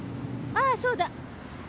ああそうだ！